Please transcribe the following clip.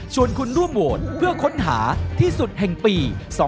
คุณร่วมโหวตเพื่อค้นหาที่สุดแห่งปี๒๕๖